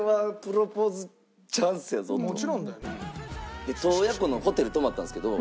で洞爺湖のホテル泊まったんですけど。